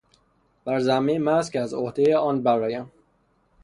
بر ذمه من است که از عهدهُ آن برآیم.